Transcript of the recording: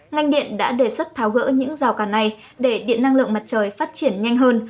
ngành điện đã đề xuất tháo gỡ những rào cản này để điện năng lượng mặt trời phát triển nhanh hơn